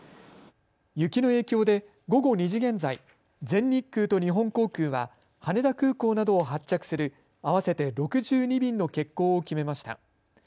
雪の影響で午後２時現在、全日空と日本航空は羽田空港などを発着する合わせて６２便の欠航を決めました。